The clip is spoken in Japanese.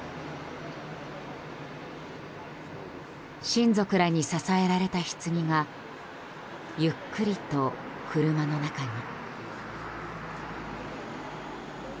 親族らに支えられたひつぎがゆっくりと車の中に。